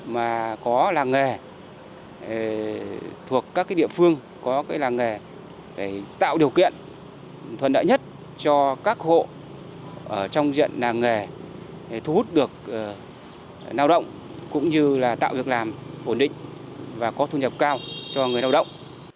mà có làng nghề thuộc các địa phương có cái làng nghề để tạo điều kiện thuận lợi nhất cho các hộ ở trong diện làng nghề thu hút được lao động cũng như là tạo việc làm ổn định và có thu nhập cao cho người lao động